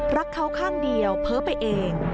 รักเขาข้างเดียวเพ้อไปเอง